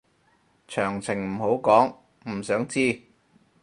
詳情唔好講，唔想知